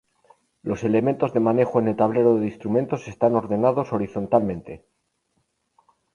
Los elementos de manejo en el tablero de instrumentos están ordenados horizontalmente.